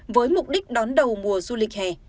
với mục đích đón đầu mùa du lịch hè